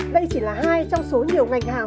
đây chỉ là hai trong số nhiều ngành hàng